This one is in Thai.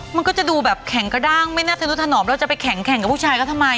มันก็จะดูแบบแข็งกระด้างไม่น่าธนุถนอมแล้วจะไปแข็งแข่งกับผู้ชายก็ทำไม